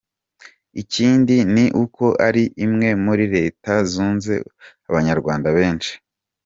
Ikindi ni uko ari imwe muri Leta zituwe n’Abanyarwanda benshi.